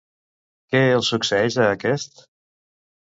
Què els succeeix a aquests?